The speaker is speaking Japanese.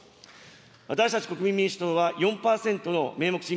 私たち国民民主党は４％の名目